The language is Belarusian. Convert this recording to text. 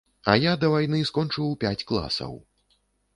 А я да вайны скончыў пяць класаў.